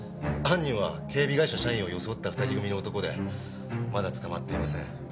犯人は警備会社社員を装った２人組の男でまだ捕まっていません。